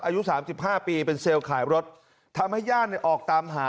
อายุสามสิบห้าปีเป็นเซลล์ขายรถทำให้ญาติเนี่ยออกตามหา